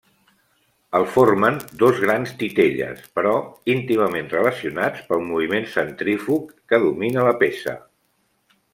El formen dos grans titelles però íntimament relacionats pel moviment centrífug que domina la peça.